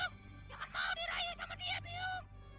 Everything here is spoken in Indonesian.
biu jangan mau dirayu sama dia biu